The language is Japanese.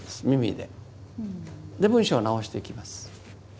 で文章を直していきます。